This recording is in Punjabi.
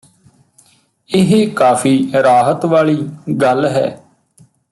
ਇਹ ਕਾਫ਼ੀ ਰਾਹਤ ਵਾਲ਼ੀ ਗੱਲ ਹੈ